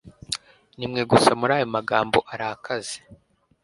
Nimwe gusa muri ayo magambo arakaze